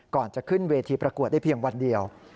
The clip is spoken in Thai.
ก่อนจะขึ้นเวทีประกวดได้เพียงวันเดียว